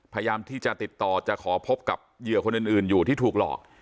พยายามที่จะติดต่อจะขอพบกับเหยื่อคนอื่นอยู่ที่ถูกหลอก